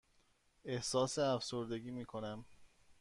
احساس افسردگی می کنم.